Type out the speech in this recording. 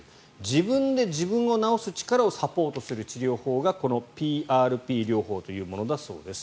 自分で自分を治す力をサポートする治療法がこのＰＲＰ療法というものだそうです。